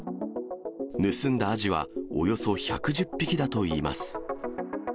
盗んだアジはおよそ１１０匹だといいます。